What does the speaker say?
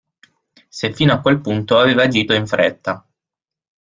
Se fino a quel punto aveva agito in fretta.